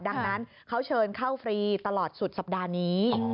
ดังนั้นเขาเชิญเข้าฟรีตลอดสุดสัปดาห์นี้